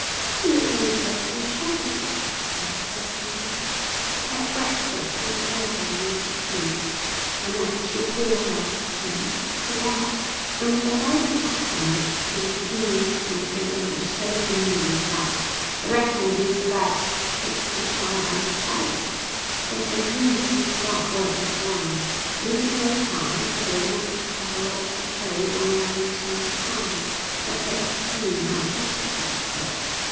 'You look like a Dresden shepherdess,' he said, as they met. They had breakfast in the garden beneath the trees; and as she poured out his tea, she laughed, and with the American accent which he was beginning to think made English so harmonious, said, 'I reckon this about takes the shine out of Paris.' They had agreed to start work at once, losing no time, for they wanted to have a lot to show on their return to France, that their scheme might justify itself.